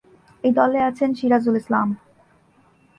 এই দলে আছেন সিরাজুল ইসলাম।